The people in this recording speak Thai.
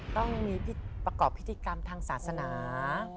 ต้องมีประกอบพิธีกรรมทางศาสนา